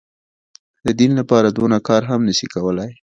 د دين لپاره دونه کار هم نه سي کولاى.